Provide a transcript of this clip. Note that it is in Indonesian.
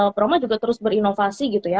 proma juga terus berinovasi gitu ya